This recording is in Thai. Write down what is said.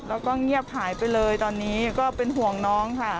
แล้วก็เงียบหายไปเลยตอนนี้ก็เป็นห่วงน้องค่ะ